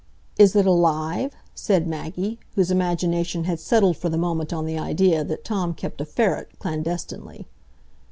"Is it alive?" said Maggie, whose imagination had settled for the moment on the idea that Tom kept a ferret clandestinely.